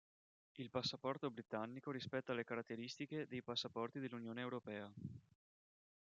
Il passaporto britannico rispetta le caratteristiche dei passaporti dell'Unione europea.